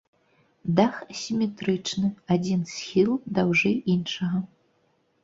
Дах асіметрычны, адзін схіл даўжэй іншага.